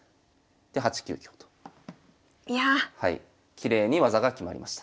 きれいに技が決まりました。